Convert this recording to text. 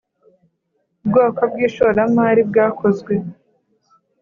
bwoko bw ishoramari bwakozwe